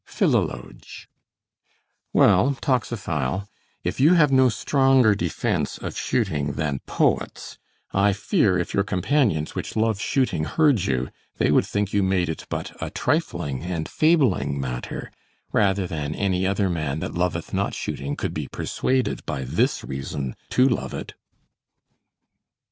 Philologe Well, Toxophile, if you have no stronger defense of shooting than poets, I fear if your companions which love shooting heard you, they would think you made it but a trifling and fabling matter, rather than any other man that loveth not shooting could be persuaded by this reason to love it.